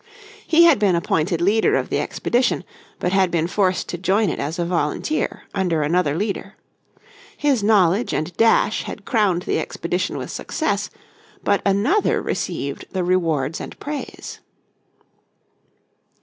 He had been appointed leader of the expedition, but had been forced to join it as a volunteer under another leader. His knowledge and dash had crowned the expedition with success, but another received the rewards and praise.